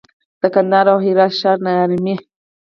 د کندهار او هرات ښار ناارامي